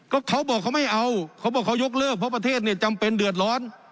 ก็เขาบอกเขาไม่เอาเขาบอกเขายกเลิกเพราะประเทศเนี่ยจำเป็นเดือดร้อน